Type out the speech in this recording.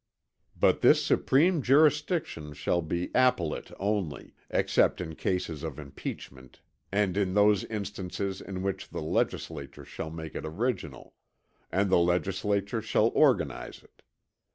But this supreme jurisdiction, shall be appellate only; except in cases of impeachment and in those instances, in which the Legislature shall make it original; and the Legislature shall organize it.